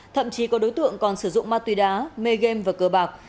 thậm chí có đối tượng còn sử dụng ma túy đá mê game và cờ bạc